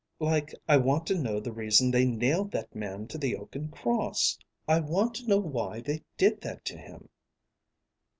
"Like I want to know the reason they nailed that man to the oaken cross. I want to know why they did that to him."